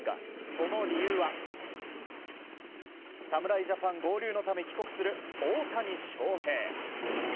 その理由は侍ジャパン合流のため帰国する大谷翔平。